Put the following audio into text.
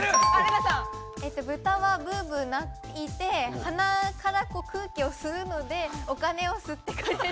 豚はブブ鳴いて、鼻から空気を吸うので、お金を吸ってくれる。